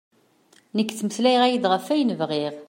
Nekk ttmeslayeɣ-ak-d ɣef wayen bɣiɣ.